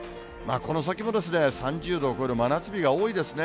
この先も３０度を超える真夏日が多いですね。